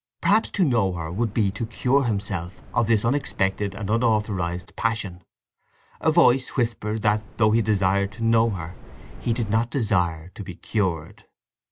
Perhaps to know her would be to cure himself of this unexpected and unauthorized passion. A voice whispered that, though he desired to know her, he did not desire to be cured.